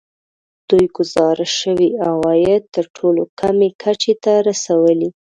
دوی ګزارش شوي عواید تر ټولو کمې کچې ته رسولي